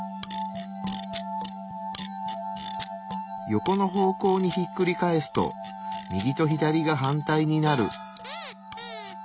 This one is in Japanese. ヨコの方向にひっくり返すと右と左が反対になる。